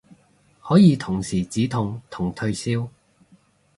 可以同時止痛同退燒